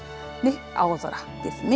青空ですね。